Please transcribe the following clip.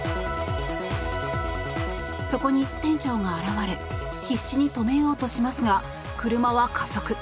そこに店長が現れ必死に止めようとしますが車は加速。